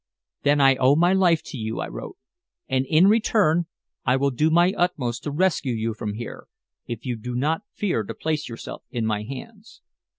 "Then I owe my life to you," I wrote. "And in return I will do my utmost to rescue you from here, if you do not fear to place yourself in my hands."